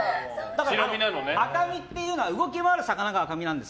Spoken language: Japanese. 赤身っていうのは動き回る魚が赤身なんです。